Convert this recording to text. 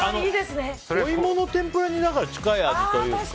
お芋の天ぷらに近い味というか。